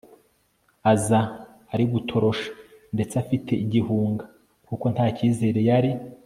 aza ari gutorosha ndetse afite igihunga kuko ntacyizere yari